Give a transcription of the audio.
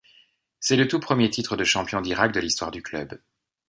C'est le tout premier titre de champion d'Irak de l'histoire du club.